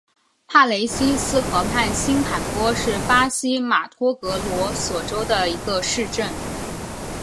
帕雷西斯河畔新坎波是巴西马托格罗索州的一个市镇。